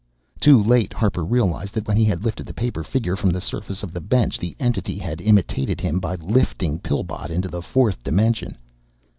Too late, Harper realized that when he had lifted the paper figure from the surface of the bench, the Entity had imitated him by "lifting" Pillbot into the fourth dimension.